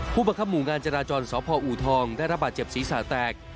ผู้บังคับหมู่งานจราจรสพอูทองได้รับบาดเจ็บศีรษะแตก